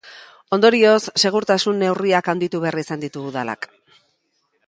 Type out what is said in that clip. Ondorioz, segurtasun neurriak handitu behar izan ditu udalak.